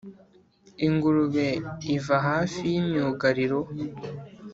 ingurube iva hafi y'imyugariro.